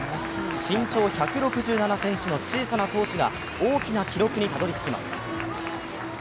身長１６７ｃｍの小さな投手が大きな記録にたどり着きます。